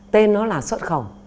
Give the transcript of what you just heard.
tên nó là xuất khẩu